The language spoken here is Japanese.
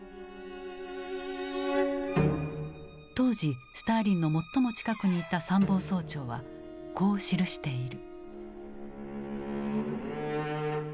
当時スターリンの最も近くにいた参謀総長はこう記している。